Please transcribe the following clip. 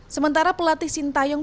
sementara pelatih sintayong